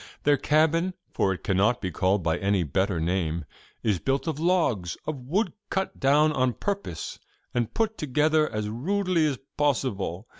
Their cabin for it cannot be called by any better name is built of logs of wood cut down on purpose and put together as rudely as possible.